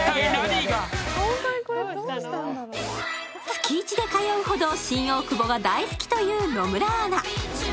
月イチで通うほど新大久保が大好きな野村アナ。